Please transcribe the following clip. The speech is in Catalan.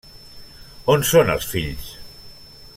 On són els fills?